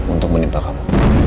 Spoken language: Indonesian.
untuk menimpa kamu